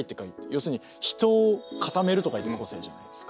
要するに「人」を「固める」と書いて「個性」じゃないですか。